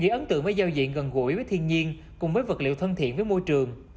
ghi ấn tượng với giao diện gần gũi với thiên nhiên cùng với vật liệu thân thiện với môi trường